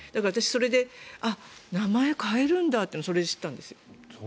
それで私あ、名前変えれるんだってそれで知ったんですよ。